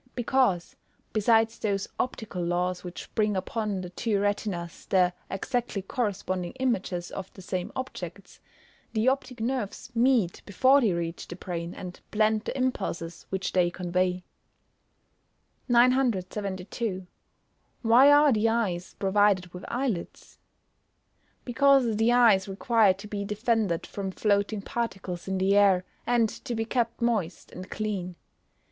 _ Because, besides those optical laws which bring upon the two retinas the exactly corresponding images of the same objects, the optic nerves meet before they reach the brain, and blend the impulses which they convey. 972. Why are the eyes provided with eyelids? Because the eyes require to be defended from floating particles in the air, and to be kept moist and clean.